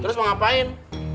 terus mau ngapain